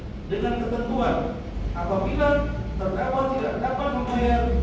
dengan ketentuan apabila kendaraan tidak dapat membayar